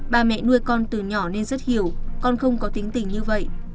bà mẹ nuôi con từ nhỏ nên rất hiểu con không có tiếng tình như vậy